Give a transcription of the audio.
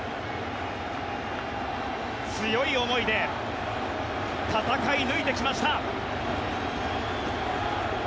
強い思いで戦い抜いてきました。